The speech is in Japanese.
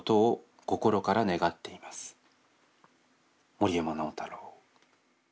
「森山直太朗」。